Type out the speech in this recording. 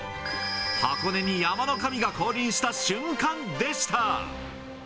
箱根に山の神が降臨した瞬間でした。